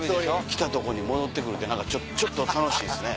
来たとこに戻って来るって何かちょっと楽しいですね。